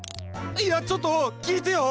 いやちょっと聞いてよ！